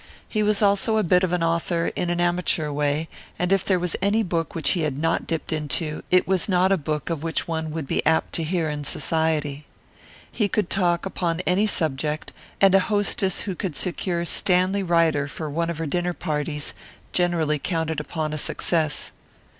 He was also a bit of an author, in an amateur way, and if there was any book which he had not dipped into, it was not a book of which one would be apt to hear in Society. He could talk upon any subject, and a hostess who could secure Stanley Ryder for one of her dinner parties generally counted upon a success.